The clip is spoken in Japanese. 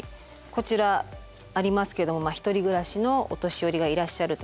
こちらありますけども一人暮らしのお年寄りがいらっしゃるとします。